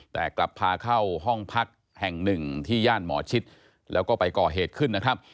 แต่กลับพาเข้าห้องพักแห่งหนึ่งที่ย่านหมอชิดแล้วก็ไปก่อเหตุขึ้นนะครับ